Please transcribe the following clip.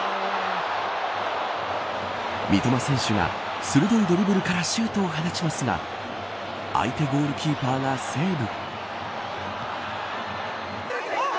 三笘選手が鋭いドリブルからシュートを放ちますが相手ゴールキーパーがセーブ。